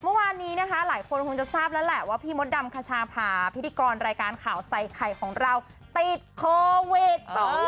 เมื่อวานนี้นะคะหลายคนคงจะทราบแล้วแหละว่าพี่มดดำคชาพาพิธีกรรายการข่าวใส่ไข่ของเราติดโควิด